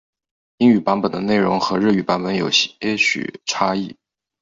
英语版本的内容和日语版本有些许差异。